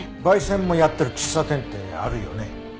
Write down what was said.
焙煎もやってる喫茶店ってあるよね？